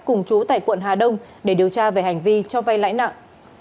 cùng chú tại quận hà đông để điều tra về hành vi cho vay lãi nặng